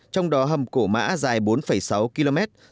trong đó hầm cổ mã dài bốn sáu km